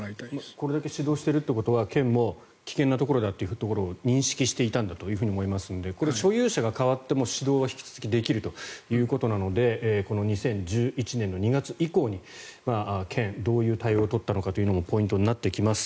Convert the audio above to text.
これだけ指導しているということは県も危険なところだと認識していたんだと思いますのでこれ、所有者が替わっても指導は引き続きできるということなのでこの２０１１年の２月以降に県はどういう対応を取ったのかもポイントになってきます。